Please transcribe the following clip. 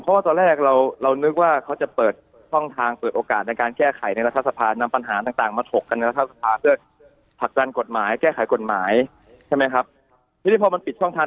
เพราะว่าตอนแรกเราเรานึกว่าเขาจะเปิดช่องทาง